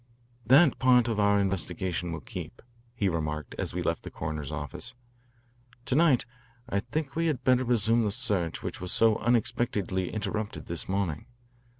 "That part of our investigation will keep," he remarked as we left the coroner's office. "To night I think we had better resume the search which was so unexpectedly interrupted this morning.